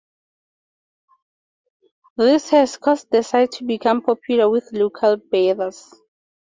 This has caused the site to become popular with local birders.